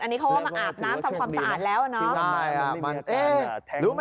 อันนี้เขาก็มาอาบน้ำทำความสะอาดแล้วอะเนาะ